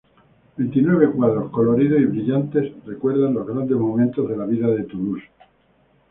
Veintinueve cuadros coloridos y brillantes recuerdan los grandes momentos de la vida de Toulouse.